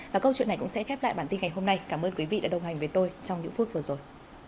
và câu chuyện này cũng sẽ khép lại bản tin ngày hôm nay cảm ơn quý vị đã đồng hành với tôi trong những phút vừa rồi